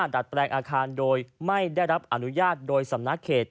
ดัดแปลงอาคารโดยไม่ได้รับอนุญาตโดยสำนักเขต